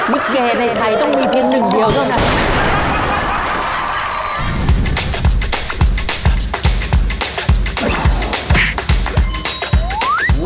ลิเกในไทยต้องมีเพียงหนึ่งเดียวเท่านั้น